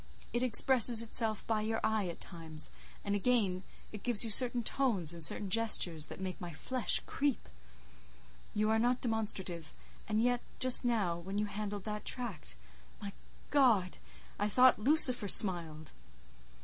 It expresses itself by your eye at times; and again, it gives you certain tones and certain gestures that make my flesh creep. You are not demonstrative, and yet, just now—when you handled that tract—my God! I thought Lucifer smiled."